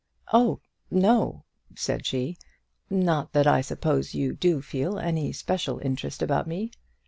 "Oh! no," said she; "not that I suppose you do feel any special interest about me."